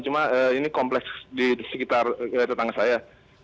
cuma ini kompleks di sekitar kawasan tangga saya